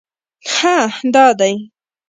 _هه! دا دی!